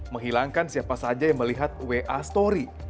menghilangkan siapa saja yang melihat wa story